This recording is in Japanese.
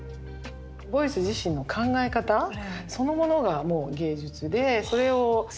ボイス自身の考え方そのものがもう芸術でそれを説明しているものであって。